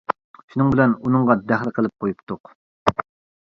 شۇنىڭ بىلەن ئۇنىڭغا دەخلى قىلىپ قويۇپتۇق.